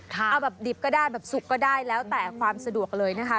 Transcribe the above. เอาแบบดิบก็ได้แบบสุกก็ได้แล้วแต่ความสะดวกเลยนะคะ